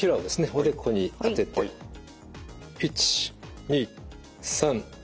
おでこに当てて１２３４５。